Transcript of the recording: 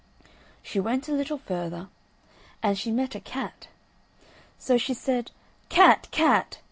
She went a little further, and she met a cat. So she said: "Cat! cat!